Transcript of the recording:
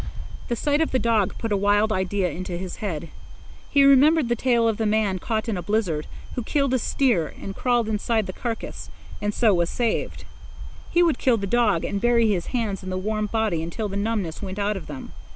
The sight of the dog put a wild idea into his head. He remembered the tale of the man, caught in a blizzard, who killed a steer and crawled inside the carcass, and so was saved. He would kill the dog and bury his hands in the warm body until the numbness went out of them.